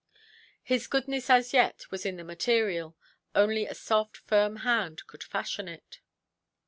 His goodness as yet was in the material; only a soft, firm hand could fashion it.